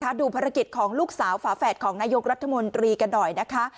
ดูภารกิจของลูกสาวฝาแฝดของนายกรัฐมนตรีกันหน่อยนะคะ